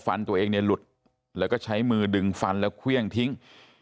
ฟันตัวเองเนี่ยหลุดแล้วก็ใช้มือดึงฟันแล้วเครื่องทิ้ง